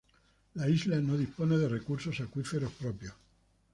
La isla no dispone de recursos acuíferos propios.